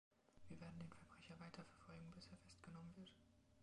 Wir werden den Verbrecher weiter verfolgen, bis er festgenommen wird.